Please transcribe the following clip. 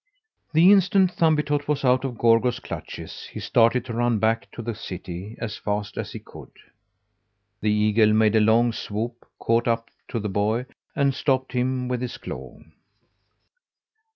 The instant Thumbietot was out of Gorgo's clutches he started to run back to the city as fast as he could. The eagle made a long swoop, caught up to the boy, and stopped him with his claw.